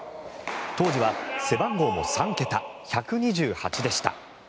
当時は背番号も３桁、１２８でした。